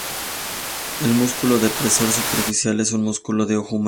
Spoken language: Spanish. El músculo depresor superciliar es un músculo del ojo humano.